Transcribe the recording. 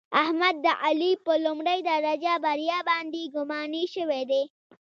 احمد د علي په لومړۍ درجه بریا باندې ګماني شوی دی.